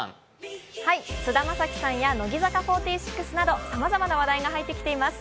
菅田将暉さんや乃木坂４６などさまざまな話題が入ってきています。